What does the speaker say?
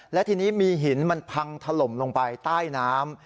และทีนี้มีหินมันพังถล่มลงไปใต้น้ำ